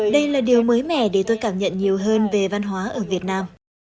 đây là điều mới mẻ để tôi cảm nhận nhiều hơn về văn hóa ở việt nam